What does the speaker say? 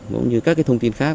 cũng như các thông tin khác